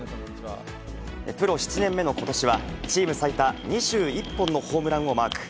プロ７年目のことしは、チーム最多２１本のホームランをマーク。